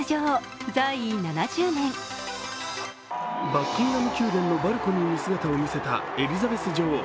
バッキンガム宮殿のバルコニーに姿を見せたエリザベス女王。